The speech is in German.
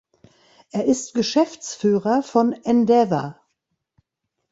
Er ist Geschäftsführer von Endeavor.